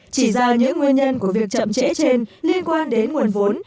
chỉ ra những nguyên nhân của việc chậm trễ trên liên quan đến nguồn vốn